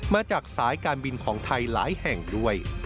มาจากสายการบินของไทยหลายแห่งด้วย